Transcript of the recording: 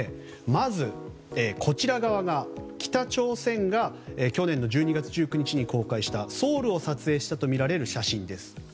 まず、こちら側が北朝鮮が去年の１２月１９日に公開したソウルを撮影したとみられる写真です。